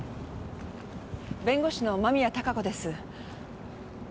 弁護士の間宮貴子です。